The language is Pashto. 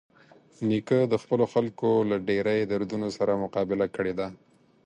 نیکه د خپلو خلکو له ډېرۍ دردونو سره مقابله کړې ده.